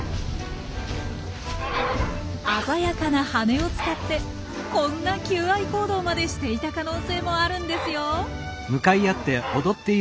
鮮やかな羽を使ってこんな求愛行動までしていた可能性もあるんですよ。